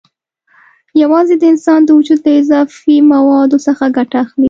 یوازې د انسان د وجود له اضافي موادو څخه ګټه اخلي.